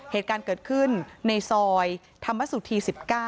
เหตุการณ์เกิดขึ้นในซอยธรรมสุธี๑๙